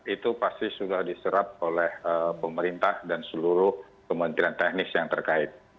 itu pasti sudah diserap oleh pemerintah dan seluruh kementerian teknis yang terkait